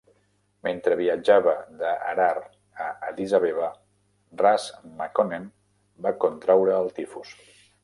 Mentre viatjava de Harar a Addis Abeba, "Ras" Makonnen va contraure el tifus.